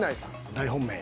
大本命。